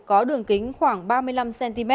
có đường kính khoảng ba mươi năm cm